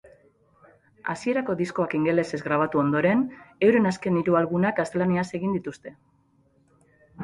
Hasierako diskoak ingelesez grabatu ondoren, euren azken hiru albumak gaztelaniaz egin dituzte.